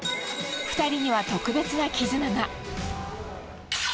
２人には、特別な絆が。